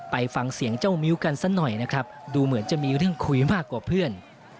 ไปฟังเสียงเจ้ามิ้วกันสักหน่อยนะครับดูเหมือนจะมีเรื่องคุยมากกว่าเพื่อน